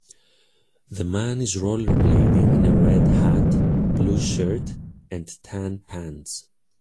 The man is rollerblading in a red hat, blue shirt, and tan pants.